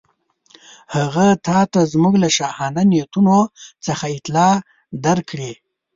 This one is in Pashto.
هغه تاته زموږ له شاهانه نیتونو څخه اطلاع درکړې.